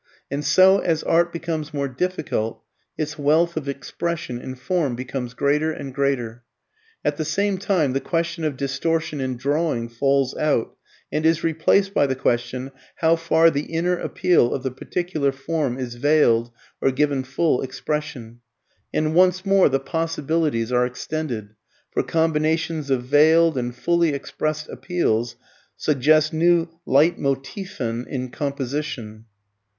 And so as art becomes more difficult, its wealth of expression in form becomes greater and greater. At the same time the question of distortion in drawing falls out and is replaced by the question how far the inner appeal of the particular form is veiled or given full expression. And once more the possibilities are extended, for combinations of veiled and fully expressed appeals suggest new LEITMOTIVEN in composition.